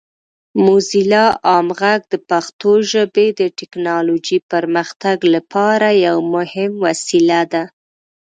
موزیلا عام غږ د پښتو ژبې د ټیکنالوجۍ پرمختګ لپاره یو مهم وسیله ده.